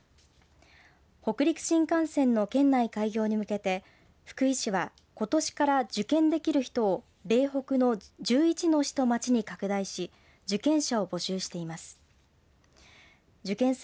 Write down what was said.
北陸新幹線の県内開業に向けて福井市はことしから受験できる人を嶺北の１１の市と町に拡大し受験者を募集しています。